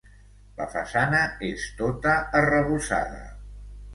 La façana és tota arrebossada.